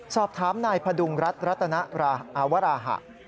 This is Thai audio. สอบถามนายพดุงรัฐรัตนวราหะ